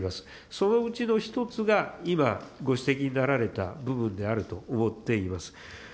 そのうちの１つが今、ご指摘になられた部分であると思っています。